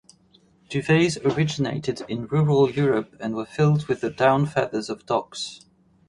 Duvets originated in rural Europe and were filled with the down feathers of ducks.